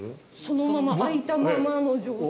そのまま開いたままの状態。